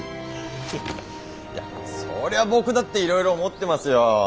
いやそりゃ僕だっていろいろ思ってますよ。